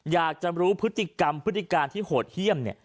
อยากจะรู้พฤติกรรมพฤติการที่โหดเยี่ยมเนี่ย